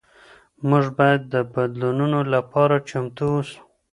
موږ باید د بدلونونو لپاره چمتو اوسو.